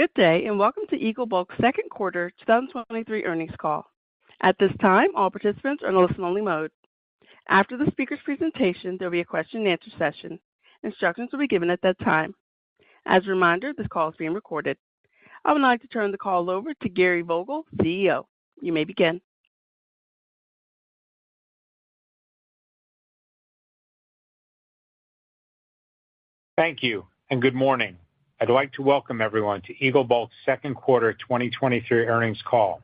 Good day, welcome to Eagle Bulk's second quarter 2023 earnings call. At this time, all participants are in listen-only mode. After the speaker's presentation, there'll be a question-and-answer session. Instructions will be given at that time. As a reminder, this call is being recorded. I would now like to turn the call over to Gary Vogel, CEO. You may begin. Thank you. Good morning. I'd like to welcome everyone to Eagle Bulk's second quarter 2023 earnings call.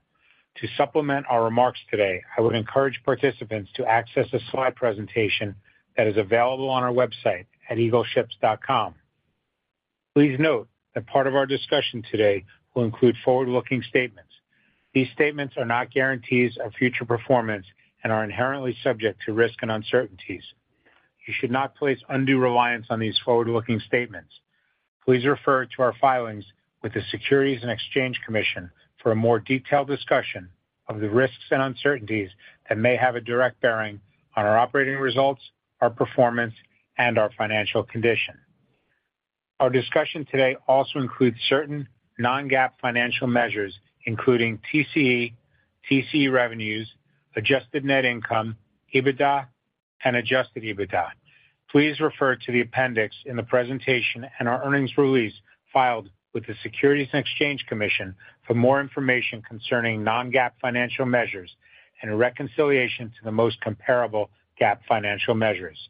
To supplement our remarks today, I would encourage participants to access a slide presentation that is available on our website at eagleships.com. Please note that part of our discussion today will include forward-looking statements. These statements are not guarantees of future performance and are inherently subject to risks and uncertainties. You should not place undue reliance on these forward-looking statements. Please refer to our filings with the Securities and Exchange Commission for a more detailed discussion of the risks and uncertainties that may have a direct bearing on our operating results, our performance, and our financial condition. Our discussion today also includes certain non-GAAP financial measures, including TCE, TCE revenues, adjusted net income, EBITDA, and adjusted EBITDA. Please refer to the appendix in the presentation and our earnings release filed with the Securities and Exchange Commission for more information concerning non-GAAP financial measures and a reconciliation to the most comparable GAAP financial measures.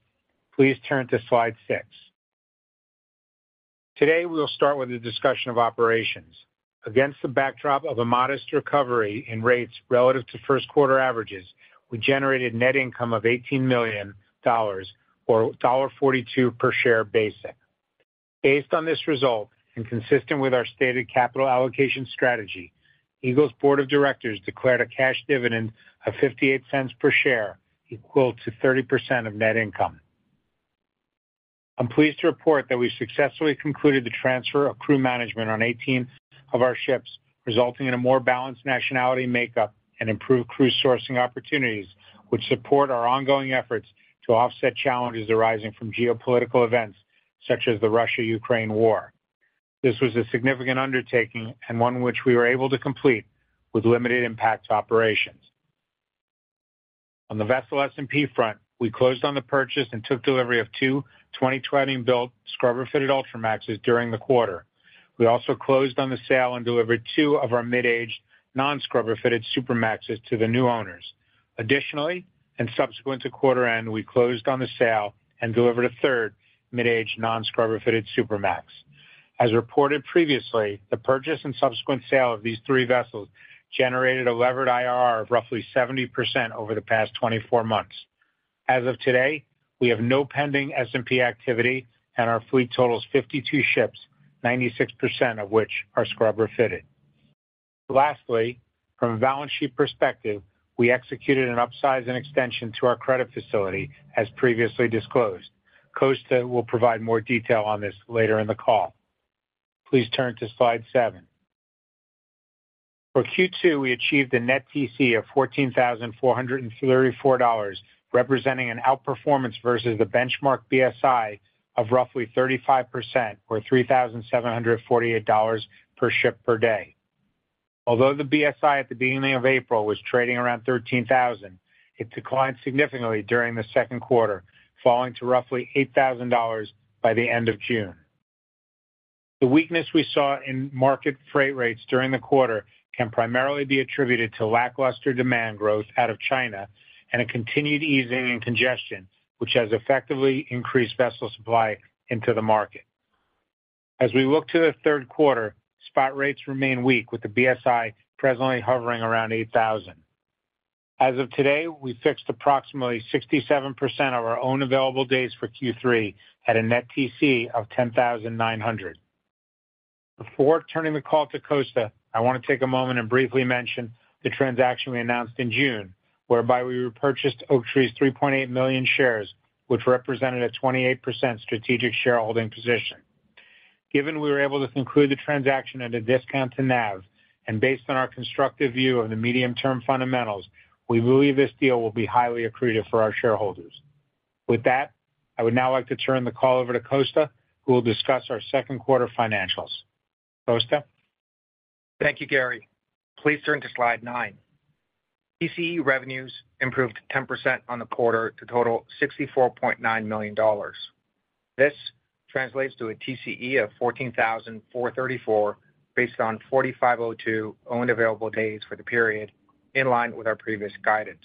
Please turn to slide six. Today, we will start with a discussion of operations. Against the backdrop of a modest recovery in rates relative to first quarter averages, we generated net income of $18 million or $1.42 per share basic. Based on this result, and consistent with our stated capital allocation strategy, Eagle's board of directors declared a cash dividend of $0.58 per share, equal to 30% of net income. I'm pleased to report that we successfully concluded the transfer of crew management on 18 of our ships, resulting in a more balanced nationality makeup and improved crew sourcing opportunities, which support our ongoing efforts to offset challenges arising from geopolitical events such as the Russia-Ukraine war. This was a significant undertaking and one which we were able to complete with limited impact to operations. On the vessel S&P front, we closed on the purchase and took delivery of 2 2020 built scrubber-fitted Ultramaxes during the quarter. We also closed on the sale and delivered 2 of our mid-aged non-scrubber-fitted Supramaxes to the new owners. Additionally, and subsequent to quarter end, we closed on the sale and delivered a third mid-aged non-scrubber-fitted Supramax. As reported previously, the purchase and subsequent sale of these 3 vessels generated a levered IRR of roughly 70% over the past 24 months. As of today, we have no pending S&P activity and our fleet totals 52 ships, 96% of which are scrubber-fitted. Lastly, from a balance sheet perspective, we executed an upsize and extension to our credit facility, as previously disclosed. Costa will provide more detail on this later in the call. Please turn to slide 7. For Q2, we achieved a net TCE of $14,434, representing an outperformance versus the benchmark BSI of roughly 35% or $3,748 per ship per day. Although the BSI at the beginning of April was trading around $13,000, it declined significantly during the second quarter, falling to roughly $8,000 by the end of June. The weakness we saw in market freight rates during the quarter can primarily be attributed to lackluster demand growth out of China and a continued easing in congestion, which has effectively increased vessel supply into the market. As we look to the third quarter, spot rates remain weak, with the BSI presently hovering around $8,000. As of today, we fixed approximately 67% of our own available days for Q3 at a net TCE of $10,900. Before turning the call to Costa, I want to take a moment and briefly mention the transaction we announced in June, whereby we repurchased Oaktree's 3.8 million shares, which represented a 28% strategic shareholding position. Given we were able to conclude the transaction at a discount to NAV and based on our constructive view of the medium-term fundamentals, we believe this deal will be highly accretive for our shareholders. With that, I would now like to turn the call over to Costa, who will discuss our second quarter financials. Costa? Thank you, Gary. Please turn to slide nine. TCE revenues improved 10% on the quarter to total $64.9 million. This translates to a TCE of 14,434, based on 4,502 owned available days for the period, in line with our previous guidance.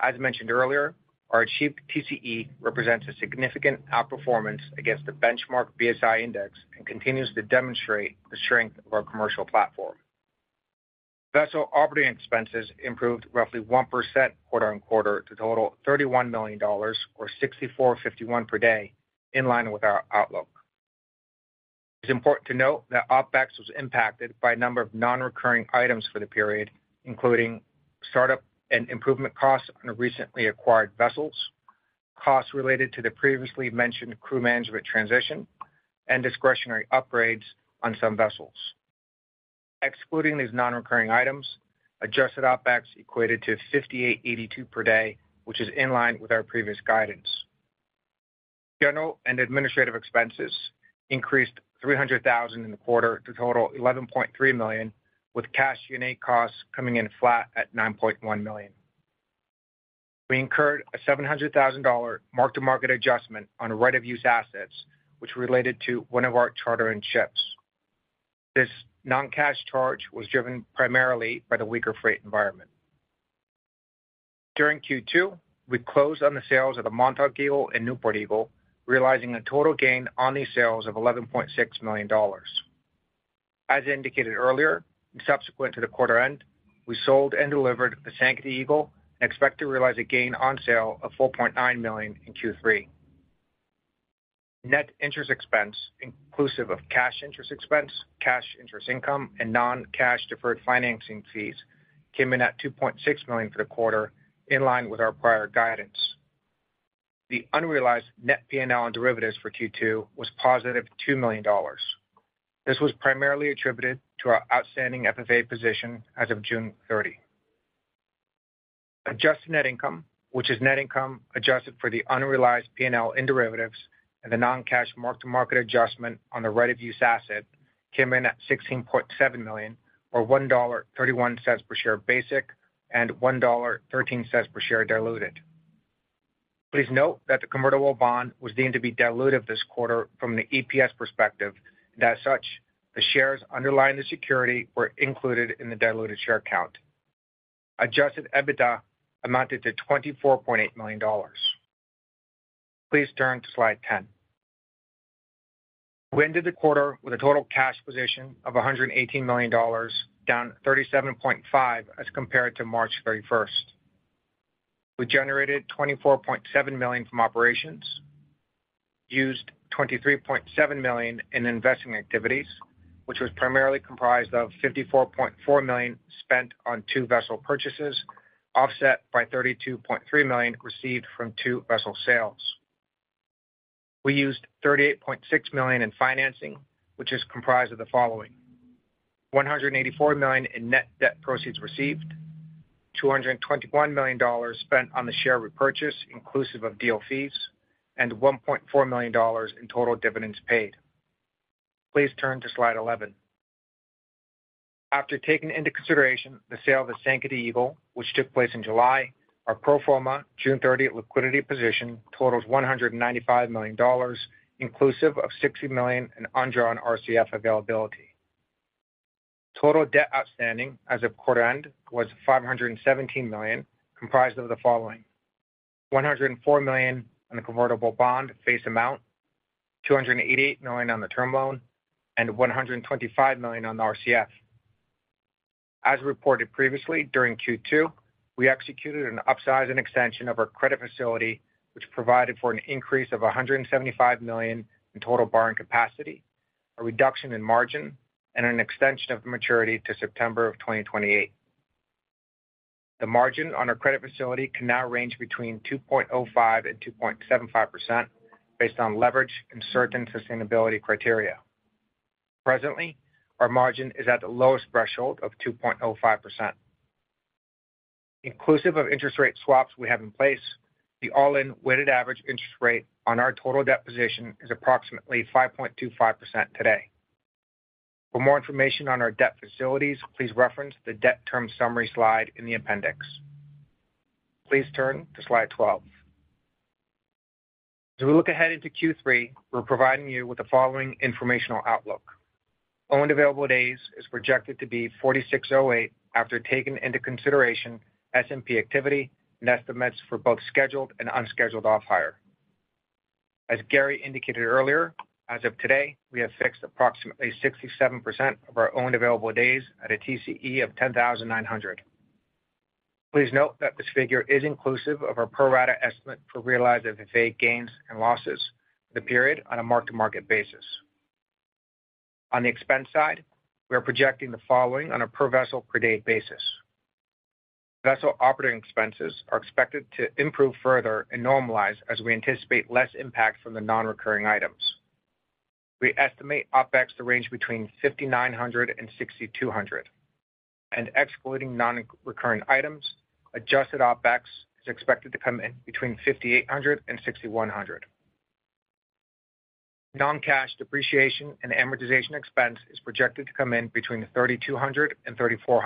As mentioned earlier, our achieved TCE represents a significant outperformance against the benchmark BSI index and continues to demonstrate the strength of our commercial platform. Vessel operating expenses improved roughly 1% quarter-on-quarter to total $31 million or 6,451 per day in line with our outlook. It's important to note that OpEx was impacted by a number of non-recurring items for the period, including startup and improvement costs on the recently acquired vessels, costs related to the previously mentioned crew management transition, and discretionary upgrades on some vessels.... Excluding these non-recurring items, adjusted OpEx equated to $5,882 per day, which is in line with our previous guidance. General and administrative expenses increased $300,000 in the quarter to total $11.3 million, with cash G&A costs coming in flat at $9.1 million. We incurred a $700,000 mark-to-market adjustment on right of use assets, which related to one of our chartering ships. This non-cash charge was driven primarily by the weaker freight environment. During Q2, we closed on the sales of the Montauk Eagle and Newport Eagle, realizing a total gain on these sales of $11.6 million. As indicated earlier, subsequent to the quarter end, we sold and delivered the Sankaty Eagle and expect to realize a gain on sale of $4.9 million in Q3. Net interest expense, inclusive of cash interest expense, cash interest income, and non-cash deferred financing fees, came in at $2.6 million for the quarter, in line with our prior guidance. The unrealized net PNL on derivatives for Q2 was positive $2 million. This was primarily attributed to our outstanding FFA position as of June 30. Adjusted net income, which is net income adjusted for the unrealized PNL in derivatives and the non-cash mark-to-market adjustment on the right of use asset, came in at $16.7 million, or $1.31 per share basic, and $1.13 per share diluted. Please note that the convertible bond was deemed to be dilutive this quarter from an EPS perspective, and as such, the shares underlying the security were included in the diluted share count. Adjusted EBITDA amounted to $24.8 million. Please turn to slide 10. We ended the quarter with a total cash position of $118 million, down 37.5 as compared to March 31st. We generated $24.7 million from operations, used $23.7 million in investing activities, which was primarily comprised of $54.4 million spent on two vessel purchases, offset by $32.3 million received from two vessel sales. We used $38.6 million in financing, which is comprised of the following: $184 million in net debt proceeds received, $221 million spent on the share repurchase, inclusive of deal fees, and $1.4 million in total dividends paid. Please turn to slide 11. After taking into consideration the sale of the Sankaty Eagle, which took place in July, our pro forma June 30 liquidity position totals $195 million, inclusive of $60 million in undrawn RCF availability. Total debt outstanding as of quarter end was $517 million, comprised of the following: $104 million on the convertible bond face amount, $288 million on the term loan, and $125 million on the RCF. As reported previously, during Q2, we executed an upsize and extension of our credit facility, which provided for an increase of $175 million in total borrowing capacity, a reduction in margin, and an extension of maturity to September of 2028. The margin on our credit facility can now range between 2.05% and 2.75% based on leverage and certain sustainability criteria. Presently, our margin is at the lowest threshold of 2.05%. Inclusive of interest rate swaps we have in place, the all-in weighted average interest rate on our total debt position is approximately 5.25% today. For more information on our debt facilities, please reference the debt term summary slide in the appendix. Please turn to slide 12. As we look ahead into Q3, we're providing you with the following informational outlook. Owned available days is projected to be 4,608 after taking into consideration S&P activity and estimates for both scheduled and unscheduled off-hire. As Gary indicated earlier, as of today, we have fixed approximately 67% of our owned available days at a TCE of $10,900. Please note that this figure is inclusive of our pro rata estimate for realized FFA gains and losses for the period on a mark-to-market basis. On the expense side, we are projecting the following on a per vessel per day basis. Vessel operating expenses are expected to improve further and normalize as we anticipate less impact from the non-recurring items. We estimate OpEx to range between $5,900 and $6,200, and excluding non-recurring items, adjusted OpEx is expected to come in between $5,800 and $6,100. Non-cash depreciation and amortization expense is projected to come in between $3,200 and $3,400.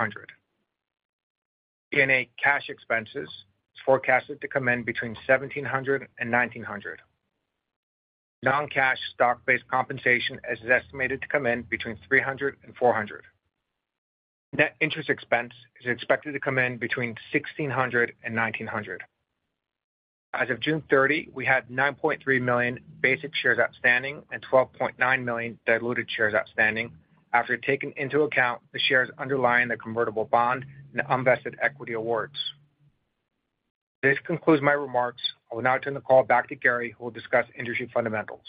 G&A cash expenses is forecasted to come in between $1,700 and $1,900. Non-cash stock-based compensation is estimated to come in between $300 and $400. Net interest expense is expected to come in between $1,600 and $1,900. As of June 30, we had 9.3 million basic shares outstanding and 12.9 million diluted shares outstanding, after taking into account the shares underlying the convertible bond and unvested equity awards. This concludes my remarks. I will now turn the call back to Gary, who will discuss industry fundamentals.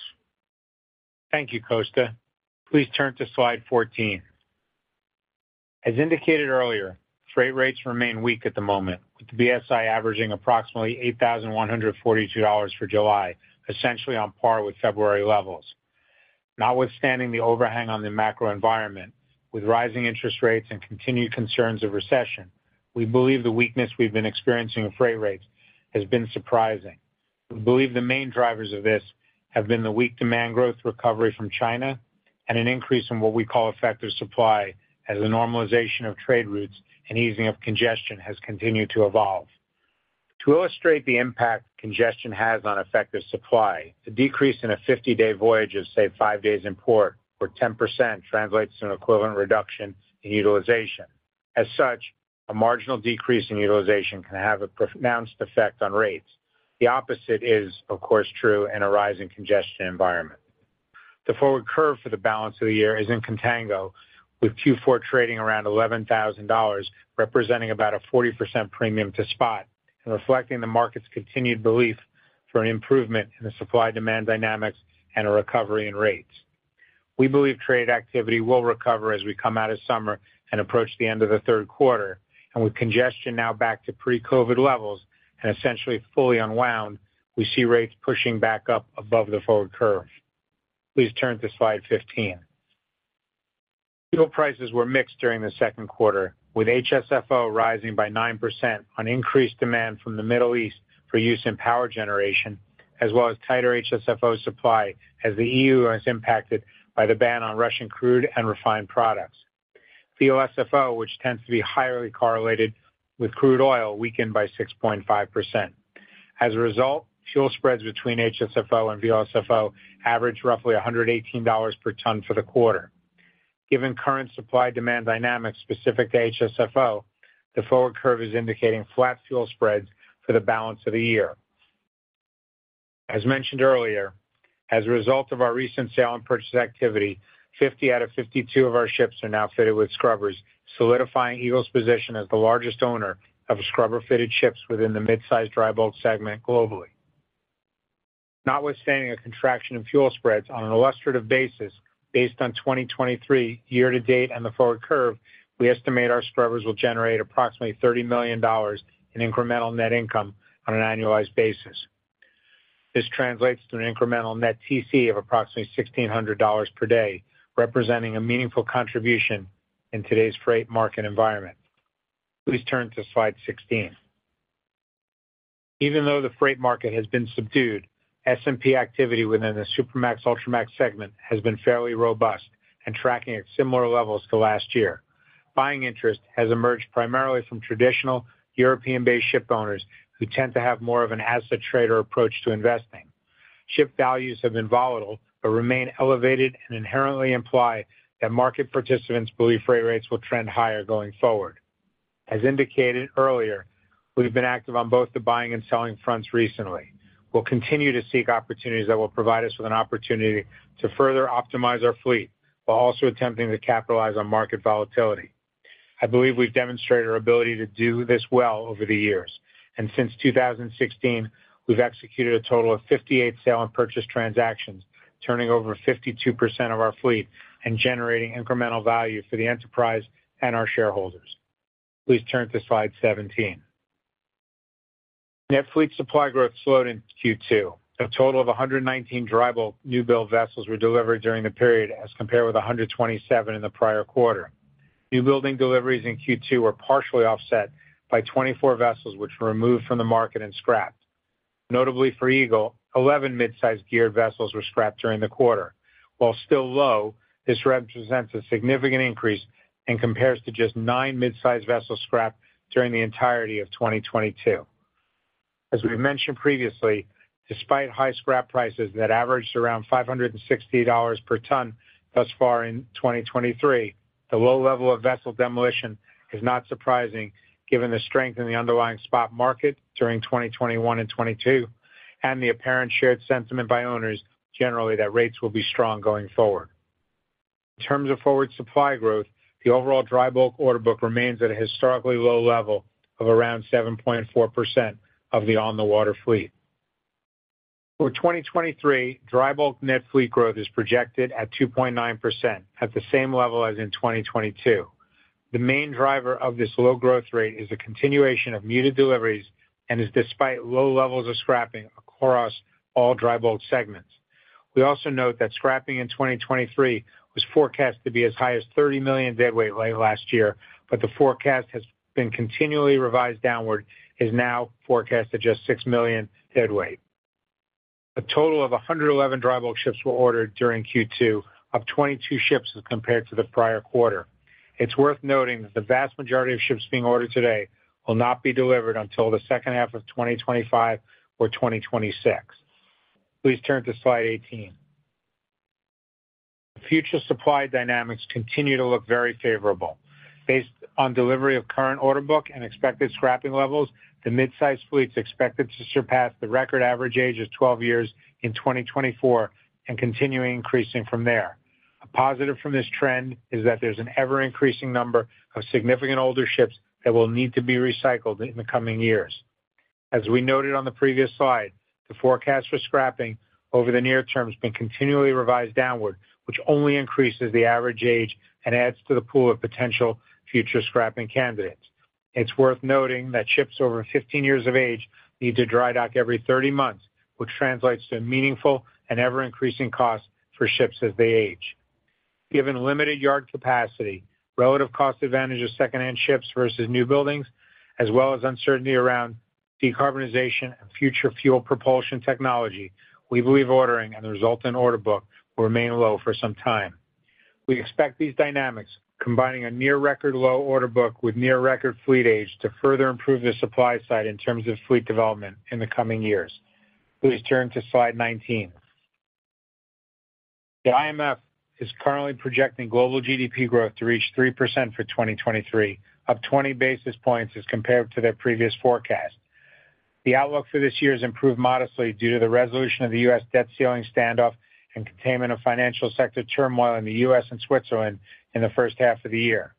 Thank you, Costa. Please turn to slide 14. As indicated earlier-... Freight rates remain weak at the moment, with the BSI averaging approximately $8,142 for July, essentially on par with February levels. Notwithstanding the overhang on the macro environment, with rising interest rates and continued concerns of recession, we believe the weakness we've been experiencing in freight rates has been surprising. We believe the main drivers of this have been the weak demand growth recovery from China and an increase in what we call effective supply, as the normalization of trade routes and easing of congestion has continued to evolve. To illustrate the impact congestion has on effective supply, the decrease in a 50-day voyage of, say, 5 days in port, or 10%, translates to an equivalent reduction in utilization. As such, a marginal decrease in utilization can have a pronounced effect on rates. The opposite is, of course, true in a rising congestion environment. The forward curve for the balance of the year is in contango, with Q4 trading around $11,000, representing about a 40% premium to spot and reflecting the market's continued belief for an improvement in the supply-demand dynamics and a recovery in rates. We believe trade activity will recover as we come out of summer and approach the end of the 3rd quarter, and with congestion now back to pre-COVID levels and essentially fully unwound, we see rates pushing back up above the forward curve. Please turn to slide 15. Fuel prices were mixed during the second quarter, with HSFO rising by 9% on increased demand from the Middle East for use in power generation, as well as tighter HSFO supply, as the EU is impacted by the ban on Russian crude and refined products. VLSFO, which tends to be highly correlated with crude oil, weakened by 6.5%. As a result, fuel spreads between HSFO and VLSFO averaged roughly $118 per ton for the quarter. Given current supply-demand dynamics specific to HSFO, the forward curve is indicating flat fuel spreads for the balance of the year. As mentioned earlier, as a result of our recent sale and purchase activity, 50 out of 52 of our ships are now fitted with scrubbers, solidifying Eagle's position as the largest owner of scrubber-fitted ships within the mid-size dry bulk segment globally. Notwithstanding a contraction in fuel spreads on an illustrative basis, based on 2023 year-to-date and the forward curve, we estimate our scrubbers will generate approximately $30 million in incremental net income on an annualized basis. This translates to an incremental net TC of approximately $1,600 per day, representing a meaningful contribution in today's freight market environment. Please turn to slide 16. Even though the freight market has been subdued, S&P activity within the Supramax, Ultramax segment has been fairly robust and tracking at similar levels to last year. Buying interest has emerged primarily from traditional European-based shipowners, who tend to have more of an asset trader approach to investing. Ship values have been volatile, but remain elevated and inherently imply that market participants believe freight rates will trend higher going forward. As indicated earlier, we've been active on both the buying and selling fronts recently. We'll continue to seek opportunities that will provide us with an opportunity to further optimize our fleet, while also attempting to capitalize on market volatility. I believe we've demonstrated our ability to do this well over the years. Since 2016, we've executed a total of 58 sale and purchase transactions, turning over 52% of our fleet and generating incremental value for the enterprise and our shareholders. Please turn to slide 17. Net fleet supply growth slowed in Q2. A total of 119 dry bulk new-build vessels were delivered during the period, as compared with 127 in the prior quarter. New building deliveries in Q2 were partially offset by 24 vessels, which were removed from the market and scrapped. Notably for Eagle, 11 mid-size geared vessels were scrapped during the quarter. While still low, this represents a significant increase and compares to just nine mid-size vessels scrapped during the entirety of 2022. As we've mentioned previously, despite high scrap prices that averaged around $560 per ton thus far in 2023, the low level of vessel demolition is not surprising, given the strength in the underlying spot market during 2021 and 2022, and the apparent shared sentiment by owners generally, that rates will be strong going forward. In terms of forward supply growth, the overall dry bulk order book remains at a historically low level of around 7.4% of the on-the-water fleet. For 2023, dry bulk net fleet growth is projected at 2.9%, at the same level as in 2022. The main driver of this low growth rate is the continuation of muted deliveries and is despite low levels of scrapping across all dry bulk segments. We also note that scrapping in 2023 was forecast to be as high as 30 million deadweight late last year. The forecast has been continually revised downward, is now forecast at just 6 million deadweight. A total of 111 dry bulk ships were ordered during Q2, up 22 ships as compared to the prior quarter. It's worth noting that the vast majority of ships being ordered today will not be delivered until the second half of 2025 or 2026. Please turn to slide 18. Future supply dynamics continue to look very favorable. Based on delivery of current order book and expected scrapping levels, the mid-size fleet is expected to surpass the record average age of 12 years in 2024 and continuing increasing from there. A positive from this trend is that there's an ever-increasing number of significant older ships that will need to be recycled in the coming years. As we noted on the previous slide, the forecast for scrapping over the near term has been continually revised downward, which only increases the average age and adds to the pool of potential future scrapping candidates. It's worth noting that ships over 15 years of age need to dry dock every 30 months, which translates to a meaningful and ever-increasing cost for ships as they age. Given limited yard capacity, relative cost advantage of secondhand ships versus new buildings, as well as uncertainty around decarbonization and future fuel propulsion technology, we believe ordering and the resultant order book will remain low for some time. We expect these dynamics, combining a near record low order book with near record fleet age, to further improve the supply side in terms of fleet development in the coming years. Please turn to slide 19. The IMF is currently projecting global GDP growth to reach 3% for 2023, up 20 basis points as compared to their previous forecast. The outlook for this year has improved modestly due to the resolution of the U.S. debt ceiling standoff and containment of financial sector turmoil in the U.S. and Switzerland in the first half of the year.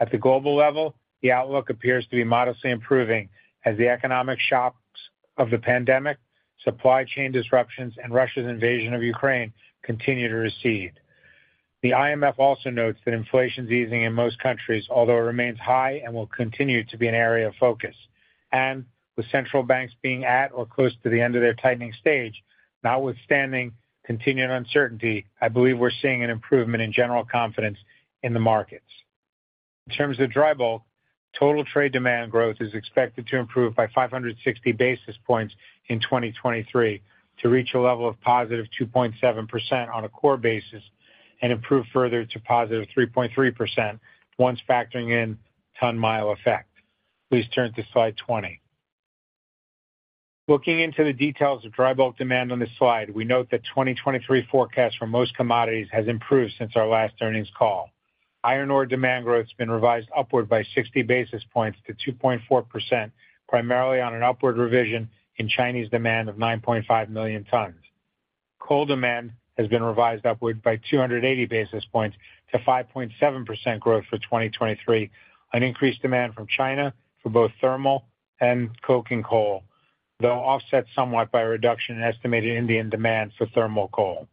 At the global level, the outlook appears to be modestly improving as the economic shocks of the pandemic, supply chain disruptions, and Russia's invasion of Ukraine continue to recede. The IMF also notes that inflation is easing in most countries, although it remains high and will continue to be an area of focus. With central banks being at or close to the end of their tightening stage, notwithstanding continued uncertainty, I believe we're seeing an improvement in general confidence in the markets. In terms of dry bulk, total trade demand growth is expected to improve by 560 basis points in 2023, to reach a level of positive 2.7% on a core basis, and improve further to positive 3.3% once factoring in ton mile effect. Please turn to slide 20. Looking into the details of dry bulk demand on this slide, we note that 2023 forecast for most commodities has improved since our last earnings call. Iron ore demand growth has been revised upward by 60 basis points to 2.4%, primarily on an upward revision in Chinese demand of 9.5 million tons. Coal demand has been revised upward by 280 basis points to 5.7% growth for 2023, on increased demand from China for both thermal and coking coal, though offset somewhat by a reduction in estimated Indian demand for thermal coal.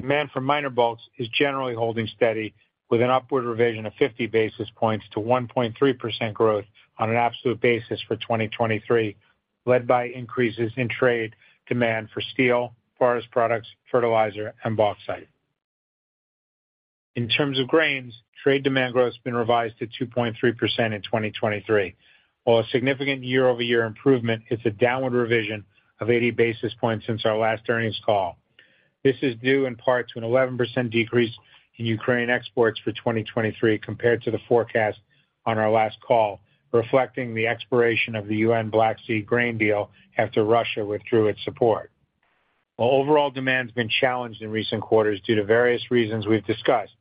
Demand for minor bulks is generally holding steady, with an upward revision of 50 basis points to 1.3% growth on an absolute basis for 2023, led by increases in trade demand for steel, forest products, fertilizer, and bauxite. In terms of grains, trade demand growth has been revised to 2.3% in 2023. While a significant year-over-year improvement, it's a downward revision of 80 basis points since our last earnings call. This is due in part to an 11% decrease in Ukraine exports for 2023 compared to the forecast on our last call, reflecting the expiration of the UN Black Sea Grain Initiative after Russia withdrew its support. While overall demand's been challenged in recent quarters due to various reasons we've discussed,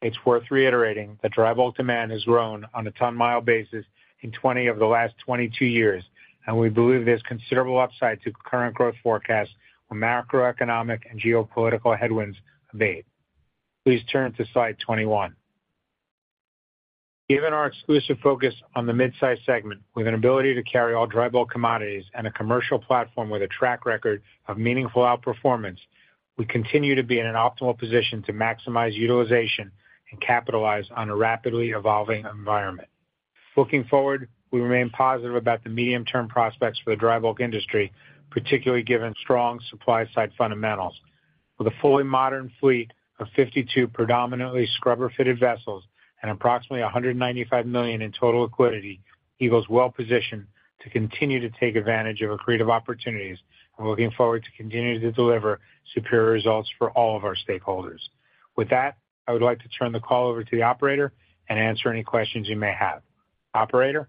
it's worth reiterating that dry bulk demand has grown on a ton mile basis in 20 of the last 22 years, and we believe there's considerable upside to current growth forecasts when macroeconomic and geopolitical headwinds abate. Please turn to slide 21. Given our exclusive focus on the mid-size segment, with an ability to carry all dry bulk commodities and a commercial platform with a track record of meaningful outperformance, we continue to be in an optimal position to maximize utilization and capitalize on a rapidly evolving environment. Looking forward, we remain positive about the medium-term prospects for the dry bulk industry, particularly given strong supply side fundamentals. With a fully modern fleet of 52 predominantly scrubber-fitted vessels and approximately $195 million in total liquidity, Eagle is well positioned to continue to take advantage of accretive opportunities. I'm looking forward to continuing to deliver superior results for all of our stakeholders. With that, I would like to turn the call over to the operator and answer any questions you may have. Operator?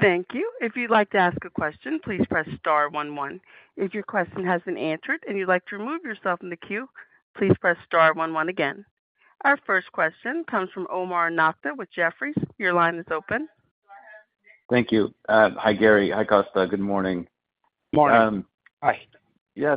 Thank you. If you'd like to ask a question, please press star 1, 1. If your question has been answered and you'd like to remove yourself from the queue, please press star 1 1 again. Our first question comes from Omar Nokta with Jefferies. Your line is open. Thank you. Hi, Gary. Hi, Costa. Good morning. Morning. Hi. Yeah,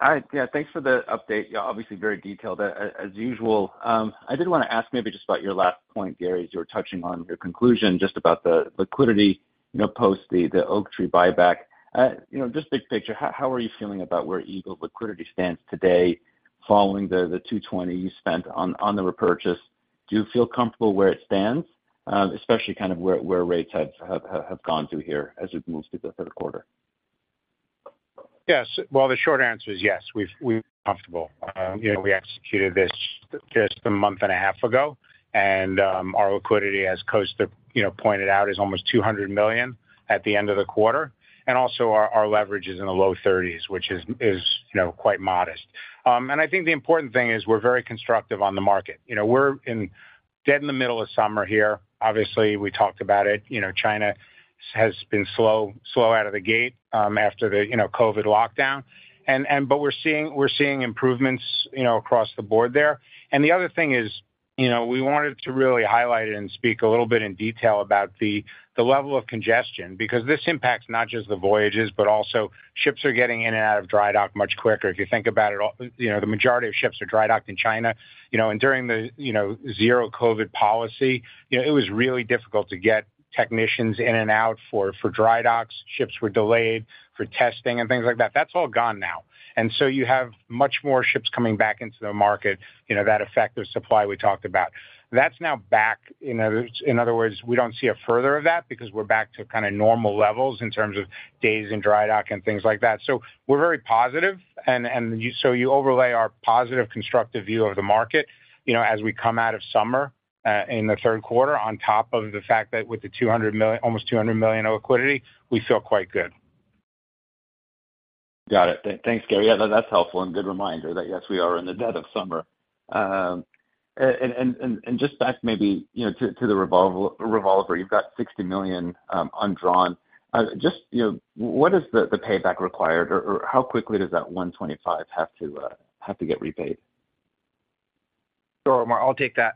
hi. Yeah, thanks for the update. Obviously, very detailed, as usual. I did wanna ask maybe just about your last point, Gary, as you were touching on your conclusion, just about the liquidity, you know, post the, the Oaktree buyback. You know, just big picture, how are you feeling about where Eagle liquidity stands today following the, the $220 you spent on, on the repurchase? Do you feel comfortable where it stands, especially kind of where rates have gone to here as it moves through the third quarter? Yes. Well, the short answer is yes, we're comfortable. You know, we executed this just a month and a half ago, and our liquidity, as Costa, you know, pointed out, is almost $200 million at the end of the quarter. Also our leverage is in the low 30s, which is, you know, quite modest. I think the important thing is we're very constructive on the market. You know, we're in, dead in the middle of summer here. Obviously, we talked about it. You know, China has been slow, slow out of the gate, after the, you know, COVID lockdown. We're seeing, we're seeing improvements, you know, across the board there. You know, we wanted to really highlight it and speak a little bit in detail about the level of congestion, because this impacts not just the voyages, but also ships are getting in and out of dry dock much quicker. If you think about it, all, you know, the majority of ships are dry docked in China, you know, and during the, you know, zero COVID policy, you know, it was really difficult to get technicians in and out for dry docks. Ships were delayed for testing and things like that. That's all gone now. You have much more ships coming back into the market, you know, that effect of supply we talked about. That's now back. In other words, we don't see a further of that because we're back to kind of normal levels in terms of days in dry dock and things like that. We're very positive, and so you overlay our positive, constructive view of the market, you know, as we come out of summer in the third quarter, on top of the fact that with the almost $200 million of liquidity, we feel quite good. Got it. Thanks, Gary. Yeah, that's helpful and good reminder that, yes, we are in the dead of summer. And just back maybe, you know, to the revolver, you've got $60 million, undrawn. Just, you know, what is the payback required, or how quickly does that $125 million have to get repaid? Sure, Omar, I'll take that.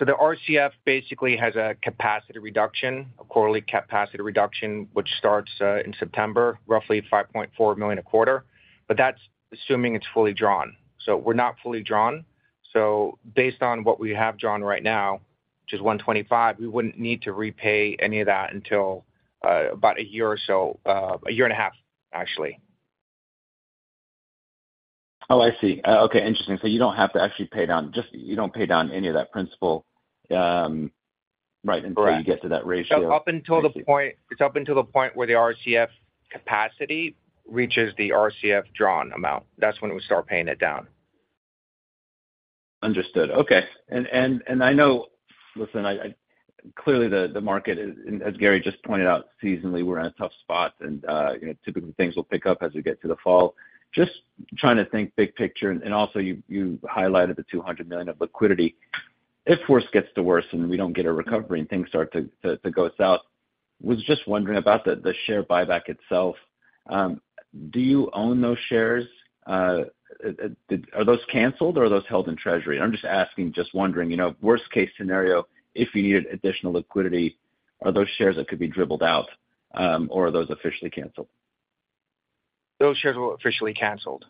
The RCF basically has a capacity reduction, a quarterly capacity reduction, which starts in September, roughly $5.4 million a quarter, but that's assuming it's fully drawn. We're not fully drawn. Based on what we have drawn right now, which is $125, we wouldn't need to repay any of that until about a year or so, a year and a half, actually. Oh, I see. Okay, interesting. You don't have to actually pay down, just, you don't pay down any of that principal, right- Correct. Until you get to that ratio. Up until the point where the RCF capacity reaches the RCF drawn amount. That's when we start paying it down. Understood. Okay. I know... Listen, I, clearly the market, as Gary just pointed out, seasonally, we're in a tough spot, and, you know, typically things will pick up as we get to the fall. Just trying to think big picture, and, also you highlighted the $200 million of liquidity. If worse gets to worse and we don't get a recovery and things start to go south, was just wondering about the share buyback itself. Do you own those shares? Are those canceled or are those held in treasury? I'm just asking, just wondering, you know, worst case scenario, if you needed additional liquidity, are those shares that could be dribbled out, or are those officially canceled? Those shares were officially canceled.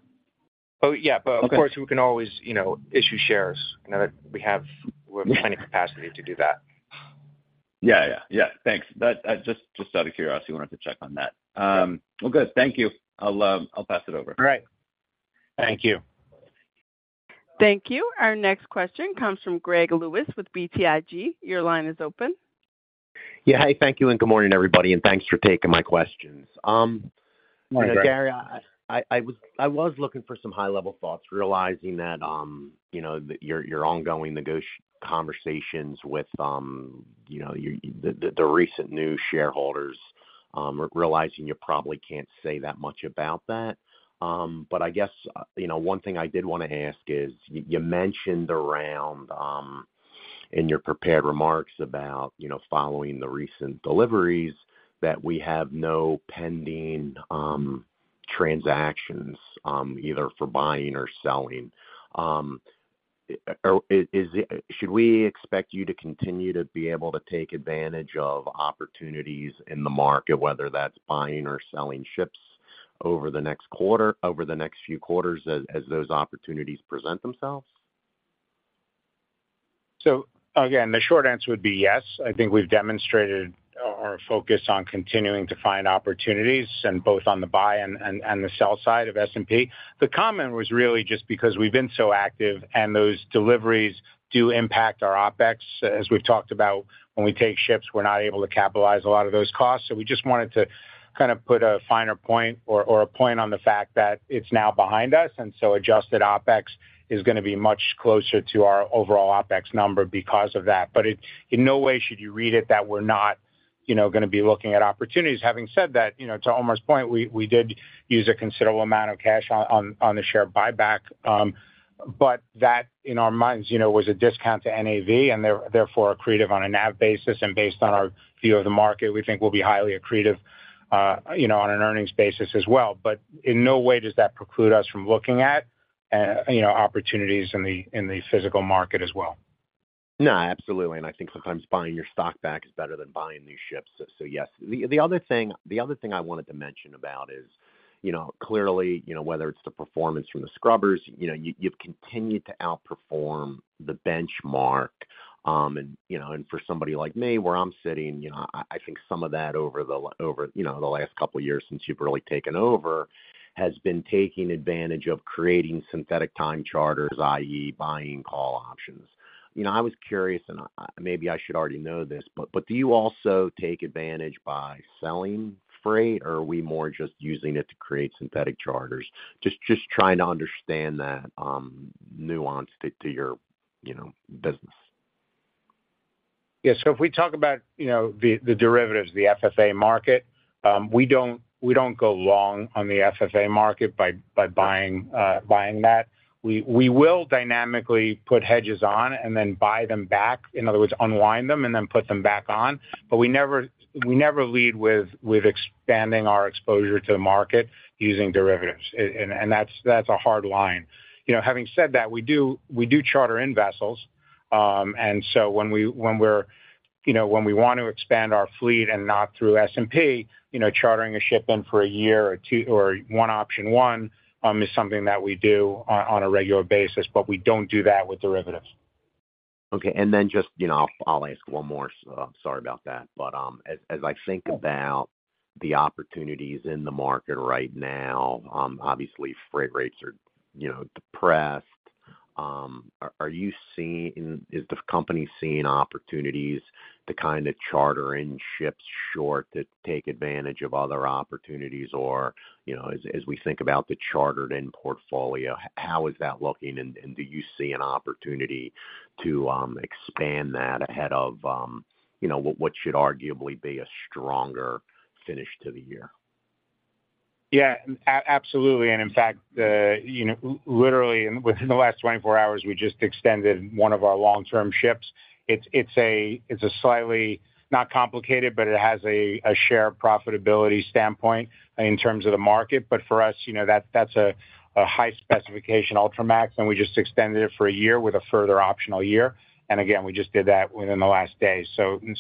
yeah- Okay. Of course, we can always, you know, issue shares. I know that we have, we have plenty of capacity to do that. Yeah. Yeah, yeah. Thanks. That, just, just out of curiosity, wanted to check on that. Well, good. Thank you. I'll, I'll pass it over. All right. Thank you. Thank you. Our next question comes from Greg Lewis with BTIG. Your line is open. Yeah. Hey, thank you, good morning, everybody, thanks for taking my questions. Good morning, Greg. Gary, I, I, I was, I was looking for some high-level thoughts, realizing that, you know, that your, your ongoing negotio- conversations with, you know, your, the, the, the recent new shareholders, we're realizing you probably can't say that much about that. I guess, you know, one thing I did want to ask is, y-you mentioned around, in your prepared remarks about, you know, following the recent deliveries, that we have no pending, transactions, either for buying or selling. Is, is it, should we expect you to continue to be able to take advantage of opportunities in the market, whether that's buying or selling ships over the next quarter, over the next few quarters as, as those opportunities present themselves? Again, the short answer would be yes. I think we've demonstrated our, our focus on continuing to find opportunities and both on the buy and, and, and the sell side of S&P. The comment was really just because we've been so active and those deliveries do impact our OpEx. As we've talked about, when we take ships, we're not able to capitalize a lot of those costs. We just wanted to kind of put a finer point or, or a point on the fact that it's now behind us, and so adjusted OpEx is going to be much closer to our overall OpEx number because of that. It in no way should you read it, that we're not, you know, going to be looking at opportunities. Having said that, you know, to Omar's point, we, we did use a considerable amount of cash on the share buyback. That, in our minds, you know, was a discount to NAV, and therefore, accretive on a NAV basis, and based on our view of the market, we think will be highly accretive, you know, on an earnings basis as well. In no way does that preclude us from looking at, you know, opportunities in the, in the physical market as well. No, absolutely. I think sometimes buying your stock back is better than buying new ships, yes. The other thing I wanted to mention about is, you know, clearly, you know, whether it's the performance from the scrubbers, you know, you've continued to outperform the benchmark. You know, for somebody like me, where I'm sitting, you know, I think some of that over, you know, the last couple of years since you've really taken over, has been taking advantage of creating synthetic time charters, i.e., buying call options. You know, I was curious, and maybe I should already know this, but do you also take advantage by selling freight, or are we more just using it to create synthetic charters? Just, just trying to understand that, nuance to, to your, you know, business. Yeah, if we talk about, you know, the derivatives, the FFA market, we don't, we don't go long on the FFA market by buying, buying that. We will dynamically put hedges on and then buy them back, in other words, unwind them and then put them back on. We never lead with expanding our exposure to the market using derivatives. That's a hard line. You know, having said that, we do charter in vessels. When we're, you know, when we want to expand our fleet and not through S&P, you know, chartering a ship in for a year or 2, or 1 option 1, is something that we do on a regular basis, but we don't do that with derivatives. Okay, then just, you know, I'll, I'll ask one more, so sorry about that. As, as I think about the opportunities in the market right now, obviously, freight rates are, you know, depressed. Are, are you seeing... Is the company seeing opportunities to kind of charter in ships short to take advantage of other opportunities? You know, as, as we think about the chartered-in portfolio, how is that looking? Do you see an opportunity to expand that ahead of, you know, what, what should arguably be a stronger finish to the year? Yeah, absolutely. In fact, you know, literally, within the last 24 hours, we just extended one of our long-term ships. It's a slightly, not complicated, but it has a shared profitability standpoint in terms of the market. For us, you know, that's a high-specification Ultramax, and we just extended it for a year with a further optional year. Again, we just did that within the last day.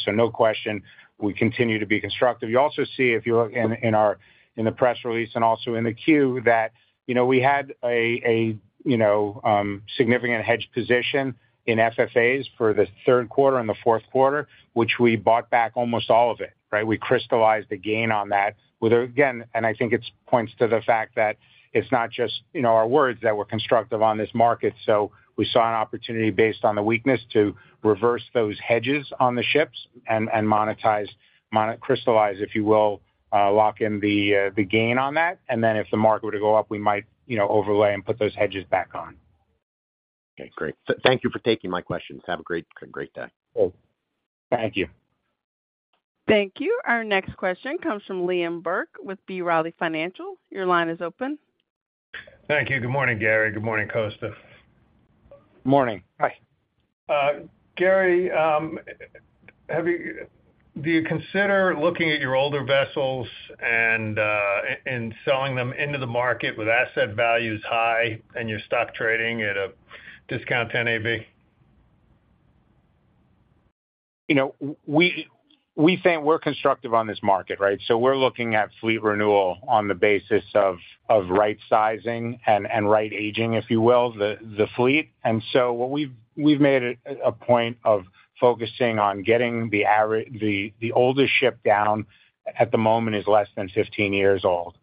No question, we continue to be constructive. You also see, if you look in our, in the press release and also in the Q, that, you know, we had a significant hedge position in FFAs for the third quarter and the fourth quarter, which we bought back almost all of it, right? We crystallized a gain on that, whether... Again, I think it's points to the fact that it's not just, you know, our words that were constructive on this market. We saw an opportunity based on the weakness to reverse those hedges on the ships and monetize, crystallize, if you will, lock in the gain on that. If the market were to go up, we might, you know, overlay and put those hedges back on. Okay, great. Thank you for taking my questions. Have a great, great day. Thank you. Thank you. Our next question comes from Liam Burke with B. Riley Securities. Your line is open. Thank you. Good morning, Gary. Good morning, Costa. Morning. Hi. Gary, do you consider looking at your older vessels and, and, and selling them into the market with asset values high and your stock trading at a discount to NAV? You know, we think we're constructive on this market, right? We're looking at fleet renewal on the basis of, of right sizing and, and right aging, if you will, the, the fleet. What we've, we've made it a, a point of focusing on getting the oldest ship down, at the moment, is less than 15 years old.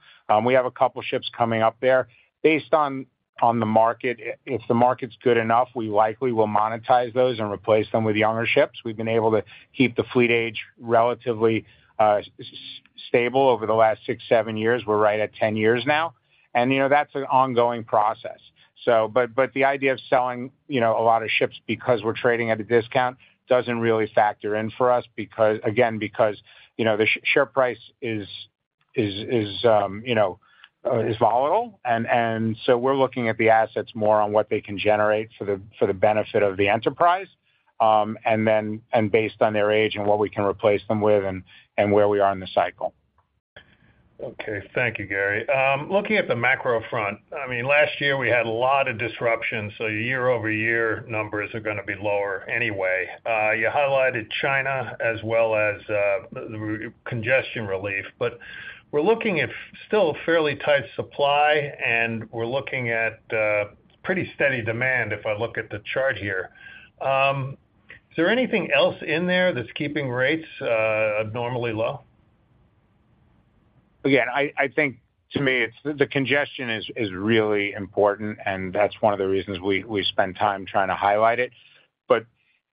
We have a couple ships coming up there. Based on, on the market, if the market's good enough, we likely will monetize those and replace them with younger ships. We've been able to keep the fleet age relatively stable over the last six, seven years. We're right at 10 years now, and, you know, that's an ongoing process. But, but the idea of selling, you know, a lot of ships because we're trading at a discount doesn't really factor in for us, because again, because, you know, the share price is, is, is, you know, is volatile. So we're looking at the assets more on what they can generate for the, for the benefit of the enterprise, and then, and based on their age and what we can replace them with and, and where we are in the cycle. Okay. Thank you, Gary. looking at the macro front, I mean, last year we had a lot of disruptions, so year-over-year numbers are gonna be lower anyway. you highlighted China as well as, the congestion relief. we're looking at still a fairly tight supply, and we're looking at, pretty steady demand, if I look at the chart here. is there anything else in there that's keeping rates, abnormally low? Again, I, I think, to me, it's the congestion is, is really important, and that's one of the reasons we, we spend time trying to highlight it.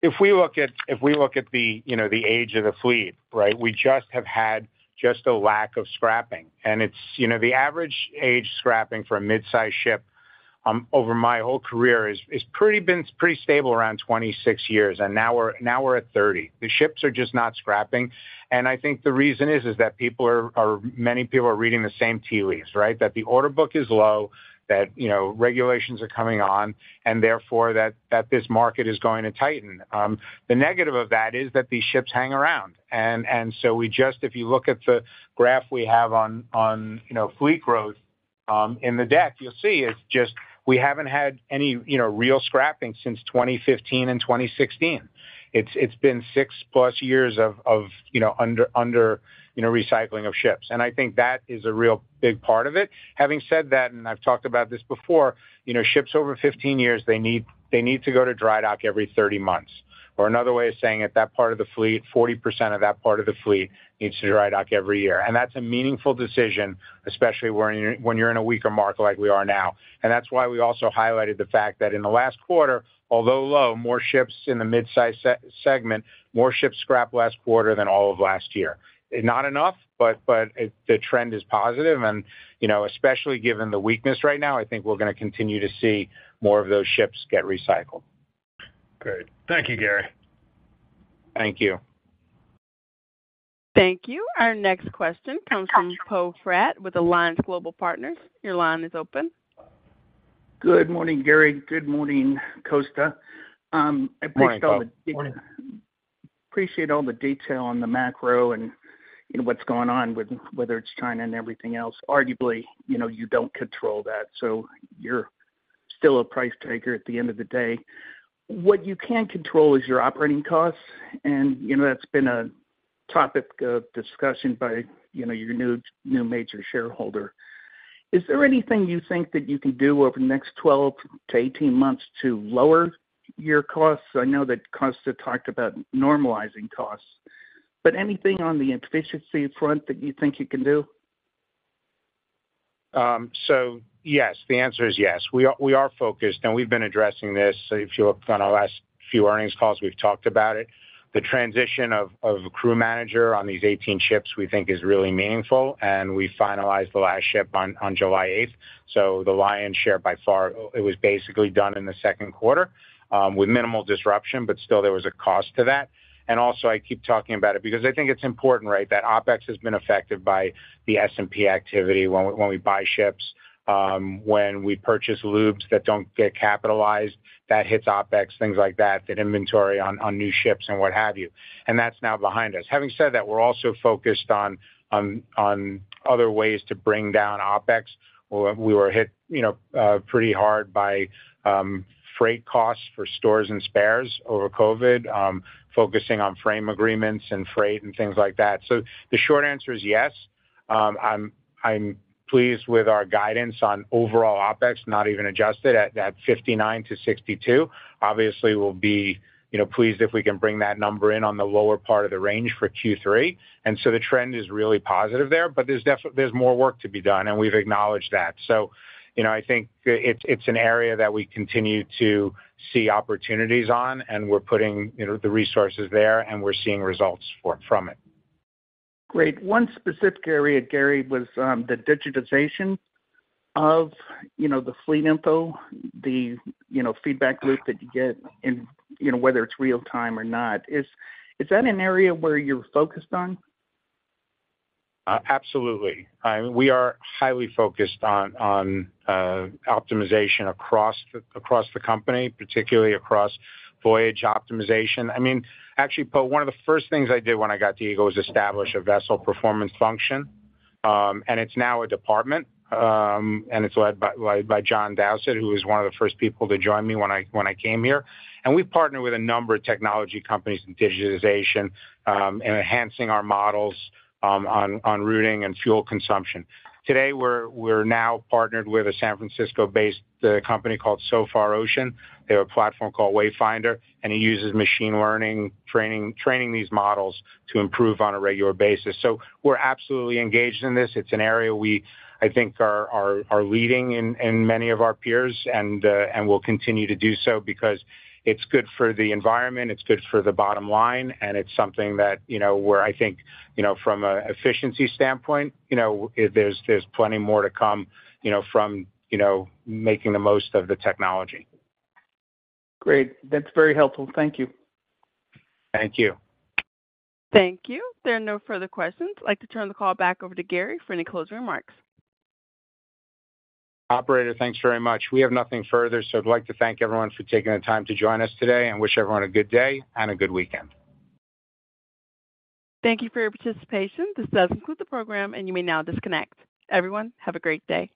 If we look at, if we look at the, you know, the age of the fleet, right, we just have had just a lack of scrapping. It's, you know, the average age scrapping for a mid-size ship over my whole career is, is been pretty stable around 26 years, and now we're, now we're at 30. The ships are just not scrapping, and I think the reason is, is that people are many people are reading the same tea leaves, right? That the order book is low, that, you know, regulations are coming on, and therefore, that, that this market is going to tighten. The negative of that is that these ships hang around. If you look at the graph we have on, on, you know, fleet growth in the deck, you'll see it's just. We haven't had any, you know, real scrapping since 2015 and 2016. It's been 6-plus years of, of, you know, under, under, you know, recycling of ships, and I think that is a real big part of it. Having said that, and I've talked about this before, you know, ships over 15 years, they need, they need to go to dry dock every 30 months. Or another way of saying it, that part of the fleet, 40% of that part of the fleet needs to dry dock every year. That's a meaningful decision, especially when you're, when you're in a weaker market like we are now. That's why we also highlighted the fact that in the last quarter, although low, more ships in the mid-size segment, more ships scrapped last quarter than all of last year. Not enough, but the trend is positive. You know, especially given the weakness right now, I think we're gonna continue to see more of those ships get recycled. Great. Thank you, Gary. Thank you. Thank you. Our next question comes from Charles Fratt with Alliance Global Partners. Your line is open. Good morning, Gary. Good morning, Costa. Morning, Poe. Morning.... appreciate all the detail on the macro and, you know, what's going on with, whether it's China and everything else. Arguably, you know, you don't control that, so you're still a price taker at the end of the day. What you can control is your operating costs, and, you know, that's been a topic of discussion by, you know, your new, new major shareholder. Is there anything you think that you can do over the next 12 to 18 months to lower your costs? I know that Costa talked about normalizing costs, but anything on the efficiency front that you think you can do? Yes, the answer is yes. We are, we are focused, and we've been addressing this. If you look on our last few earnings calls, we've talked about it. The transition of crew manager on these 18 ships, we think is really meaningful, and we finalized the last ship on July 8th. The lion's share, by far, it was basically done in the second quarter, with minimal disruption, but still there was a cost to that. Also, I keep talking about it because I think it's important, right? That OpEx has been affected by the S&P activity when we buy ships, when we purchase lubes that don't get capitalized, that hits OpEx, things like that, that inventory on new ships and what have you, and that's now behind us. Having said that, we're also focused on, on, on other ways to bring down OpEx. We, we were hit, you know, pretty hard by freight costs for stores and spares over COVID, focusing on frame agreements and freight and things like that. The short answer is yes. I'm, I'm pleased with our guidance on overall OpEx, not even adjusted at that $59-$62. Obviously, we'll be, you know, pleased if we can bring that number in on the lower part of the range for Q3. The trend is really positive there. There's more work to be done, and we've acknowledged that. You know, I think it's, it's an area that we continue to see opportunities on, and we're putting, you know, the resources there, and we're seeing results for, from it. Great. One specific area, Gary, was, the digitization of, you know, the fleet info, the, you know, feedback loop that you get in, you know, whether it's real time or not. Is, is that an area where you're focused on? Absolutely. We are highly focused on, on optimization across the, across the company, particularly across voyage optimization. I mean, actually, Paul, one of the first things I did when I got to Eagle was establish a vessel performance function, and it's now a department, and it's led by, by Jonathan Dowsett, who was one of the first people to join me when I, when I came here. We've partnered with a number of technology companies in digitization, and enhancing our models, on, on routing and fuel consumption. Today, we're, we're now partnered with a San Francisco-based company called Sofar Ocean. They have a platform called Wayfinder, and it uses machine learning, training, training these models to improve on a regular basis. We're absolutely engaged in this. It's an area we, I think, are, are, are leading in, in many of our peers and, and we'll continue to do so because it's good for the environment, it's good for the bottom line, and it's something that, you know, where I think, you know, from an efficiency standpoint, you know, there's, there's plenty more to come, you know, from, you know, making the most of the technology. Great. That's very helpful. Thank you. Thank you. Thank you. There are no further questions. I'd like to turn the call back over to Gary for any closing remarks. Operator, thanks very much. We have nothing further. I'd like to thank everyone for taking the time to join us today and wish everyone a good day and a good weekend. Thank you for your participation. This does conclude the program, and you may now disconnect. Everyone, have a great day.